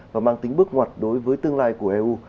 và mang tính bước ngoặt đối với tương lai của eu